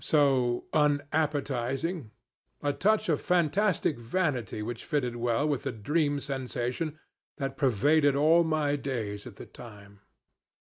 so unappetizing: a touch of fantastic vanity which fitted well with the dream sensation that pervaded all my days at that time.